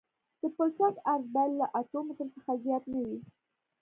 د پلچک عرض باید له اتو مترو څخه زیات نه وي